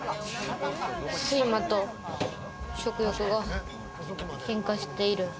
睡魔と食欲が喧嘩している。